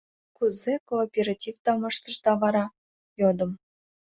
— Кузе кооперативдам ыштышда вара? — йодым.